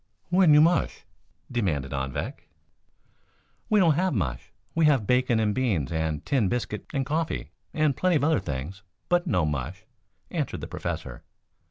"When you mush?" demanded Anvik. "We don't have mush. We have bacon and beans, and tin biscuit and coffee, and plenty of other things, but no mush," answered the Professor.